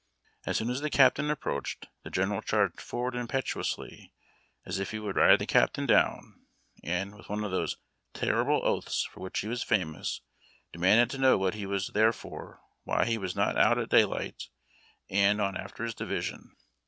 As soon as the captain approached, the general charged forward impetuously, as if he would ride the cap tain down, and, with one of those "terrible oaths" for which he was famous, demanded to know what he was there for, why he was not out at daylight, and on after his division.